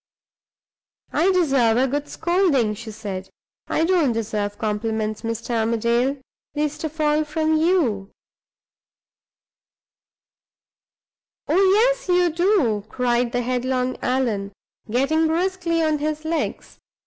"I deserve a good scolding," she said. "I don't deserve compliments, Mr. Armadale least of all from you." "Oh, yes, you do!" cried the headlong Allan, getting briskly on his legs.